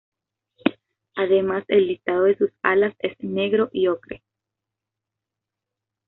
Además el listado de sus alas es negro y ocre.